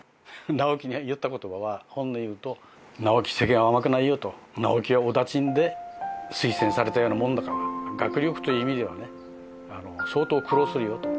直樹に言った言葉は本音を言うと「直樹世間は甘くないよ」と「直樹はお駄賃で推薦されたようなものだから学力という意味ではね相当苦労するよ」と。